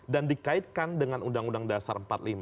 dan dikaitkan dengan undang undang dasar empat puluh lima